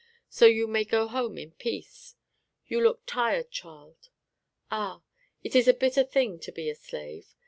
So you may go home in peace. You look tired, child. Ah! it is a bitter thing to be a slave!